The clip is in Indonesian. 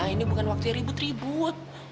ini bukan waktu ribut ribut